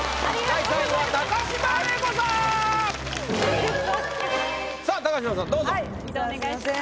移動お願いします。